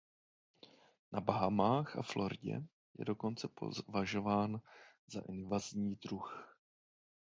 Na Bahamách a Floridě je dokonce považován za invazní druh.